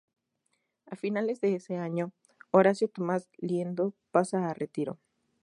A finales de ese año, Horacio Tomás Liendo pasa a retiro.